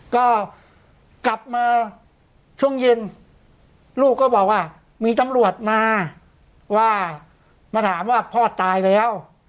ก็กลับมาช่วงเย็นลูกก็บอกว่ามีตำรวจมาว่ามาถามว่าพ่อตายแล้ว